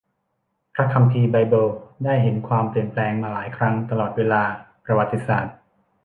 พระคัมภีร์ไบเบิลได้เห็นความเปลี่ยนแปลงมาหลายครั้งตลอดเวลาประวัติศาสตร์